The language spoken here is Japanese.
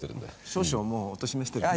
少々もうお年召してるんで。